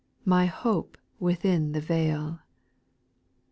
My hope within the veil.